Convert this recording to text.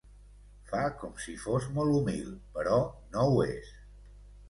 Fa com si fos molt humil, però no ho és.